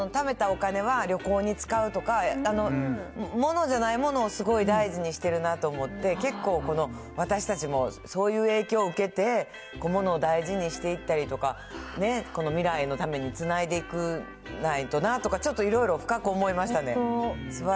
ためたお金は旅行に使うとか、ものじゃないものをすごい大事にしてるなと思って、結構、私たちもそういう影響受けて、ものを大事にしていったりとか、未来のためにつないでいかないとなとか、ちょっといろいろ深く思いましたね。